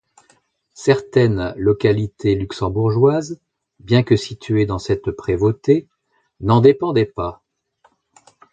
Certaines localités luxembourgeoises, bien que situées dans cette prévôté, n'en dépendaient pas.